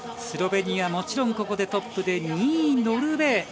スロベニアもちろんここでトップで２位にノルウェー。